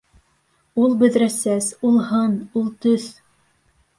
Ул бөҙрә сәс, ул һын, ул төҫ...